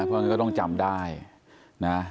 เพราะฉะนั้นก็ต้องจำได้นะ